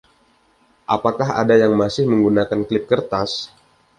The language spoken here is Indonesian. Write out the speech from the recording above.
Apakah ada yang masih menggunakan klip kertas?